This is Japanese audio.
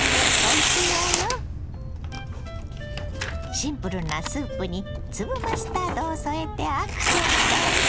シンプルなスープに粒マスタードを添えてアクセントに。